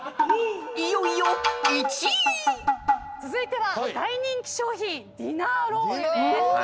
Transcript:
［いよいよ］続いては大人気商品ディナーロールです。